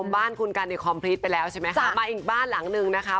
บ้านคุณกันเนี่ยไปแล้วใช่ไหมคะจ้ะมาอีกบ้านหลังหนึ่งนะคะ